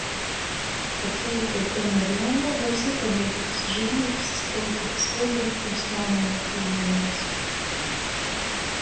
Ka Tev itei tema ir jauna voi esi pedagogs, žurnalists, politikys veiduotuojs, lāmumu pījiemiejs.